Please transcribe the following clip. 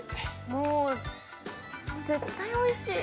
もう絶対おいしい。